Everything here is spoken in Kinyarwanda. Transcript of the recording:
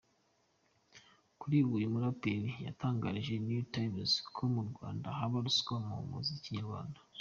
Kuri ubu uyu muraperi yatangarije Newtimes ko mu Rwanda haba ruswa mu muziki nyarwanda.